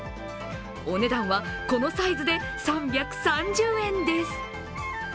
お値段は、このサイズで３３０円です。